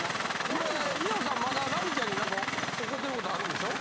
これ美保さんまだラミちゃんに何か怒ってる事あるんでしょ？